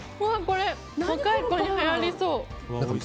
若い子にはやりそう。